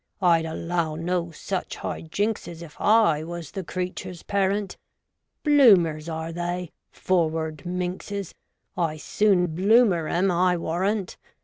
I'd allow no such high jinkses, if I was the creatures' parent. ' Bloomers ' are they — forward minxes ? 1 soon Bloomer 'em, I warrant.